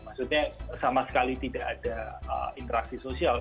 maksudnya sama sekali tidak ada interaksi sosial